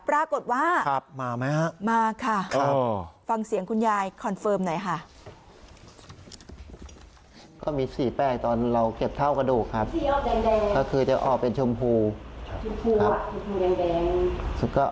ปรากฏว่ามาไหมฮะมาค่ะฟังเสียงคุณยายคอนเฟิร์มหน่อยค่ะ